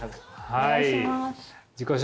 はい。